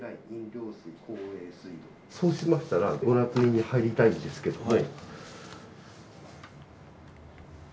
そうしましたらご捺印に入りたいんですけども。